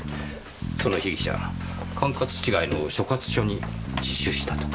その被疑者管轄違いの所轄署に自首したとか。